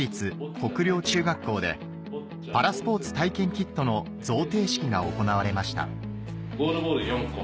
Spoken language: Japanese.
北陵中学校でパラスポーツ体験キットの贈呈式が行われましたゴールボール４個。